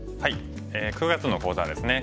９月の講座はですね